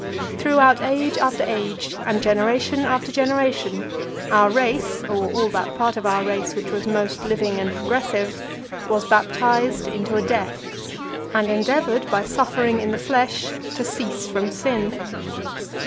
"+ Throughout age after age, and generation after generation, our race, or all that part of our race which was most living and progressive, was baptized into a death;+ and endeavoured, by suffering in the flesh, to cease from sin.